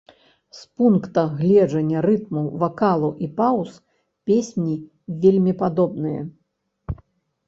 З пункта гледжання рытму, вакалу і паўз, песні вельмі падобныя.